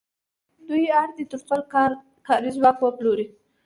دوی اړ دي تر څو خپل کاري ځواک وپلوري